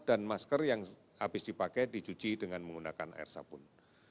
dan masker yang habis dipakai dicuci dengan menggunakan air sabun